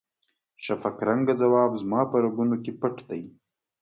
شفق رنګه ځواب زما په رګونو کې پټ دی.